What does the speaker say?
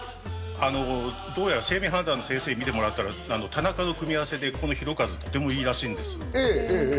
どうやら姓名判断の先生にみてもらったら、田中の組み合わせで宏和はとてもいいらしいです。